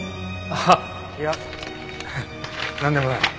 ああいやなんでもない。